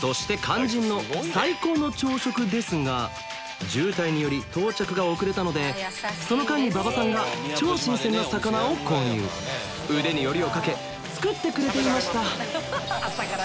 そして肝心の最高の朝食ですが渋滞により到着が遅れたのでその間に馬場さんが超新鮮な魚を購入腕によりをかけ作ってくれていました